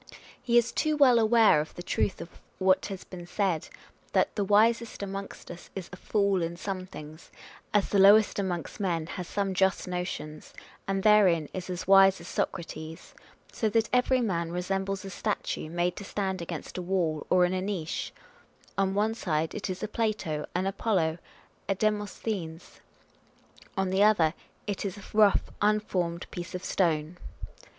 He is too well aware of tlie truth of what has been said, that " the wisest amongst us is a fool in some things, as the lowest amongst men has some just notions, and therein is as wise as Socrates ; so that every man resembles a statue made to stand against a wall, or in a niche ; on one side it is a Plato, an Apollo, a Demosthenes; on the other, it is a rough, unformed piece of stone."